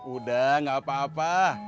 udah gak apa apa